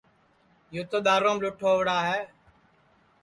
یو تو دؔارُوام لُٹھ ہووَڑا ہے